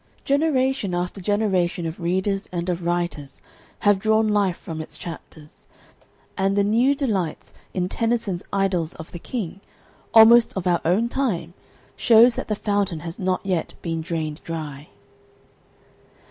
Generation after generation of readers and of writers have drawn life from its chapters, and the new delight in Tennyson's "Idylls of the King," almost of our own time, shows that the fountain has not yet been drained dry.